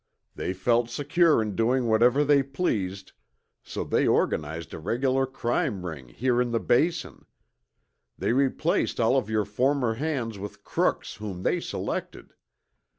They felt secure in doing whatever they pleased, so they organized a regular crime ring here in the Basin. They replaced all of your former hands with crooks whom they selected.